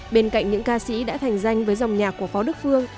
bên cạnh những ca sĩ đã thành danh với dòng nhạc của phó đức phương